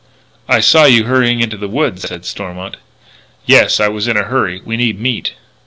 "I saw you hurrying into the woods," said Stormont. "Yes, I was in a hurry. We need meat."